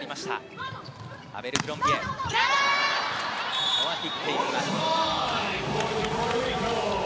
ここは切っていきました。